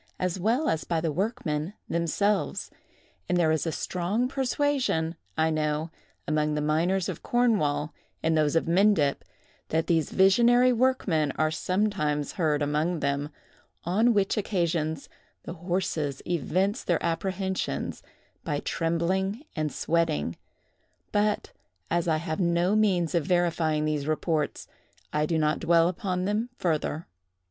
as well as by the workmen themselves; and there is a strong persuasion, I know, among the miners of Cornwall, and those of Mendip, that these visionary workmen are sometimes heard among them; on which occasions the horses evince their apprehensions by trembling and sweating; but as I have no means of verifying these reports, I do not dwell upon them further.